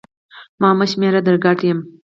ما مه شمېره در ګډ یم